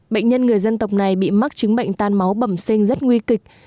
bệnh nhân người dân tộc này bị mắc chứng bệnh tan máu bẩm sinh rất nguy kịch